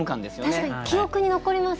確かに記憶に残りますね。